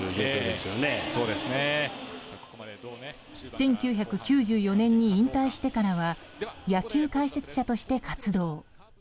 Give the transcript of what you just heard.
１９９４年に引退してからは野球解説者として活動。